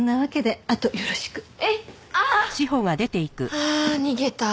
ああ逃げた。